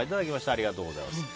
ありがとうございます。